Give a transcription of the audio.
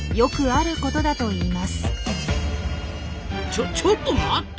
ちょちょっと待った！